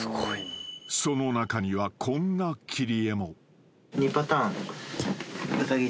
［その中にはこんな切り絵も］